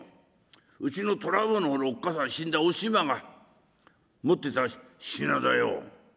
うちの虎坊のおっかさん死んだおしまが持ってた品だよ」。